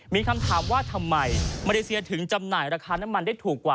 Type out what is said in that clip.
มีคำถามว่าทำไมมาเลเซียถึงจำหน่ายราคาน้ำมันได้ถูกกว่า